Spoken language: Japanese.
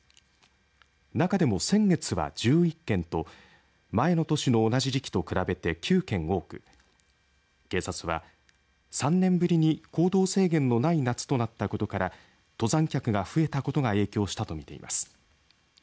中でも、先月は１１件と前の年の同じ時期と比べて９件多く警察は、３年ぶりに行動制限のない夏となったことから登山客が増えたことが影響したと見ています。